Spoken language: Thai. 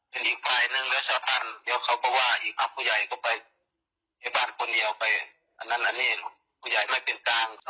เดี๋ยวเขาว่าสักผู้ใหญ่ก็ไปในบ้านคนเดียวอันนั้นอันนี้ผู้ใหญ่ไม่เป็นจัง